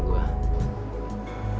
karena mau ketemu sama gua